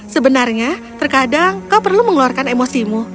sebenarnya terkadang kau perlu mengeluarkan emosimu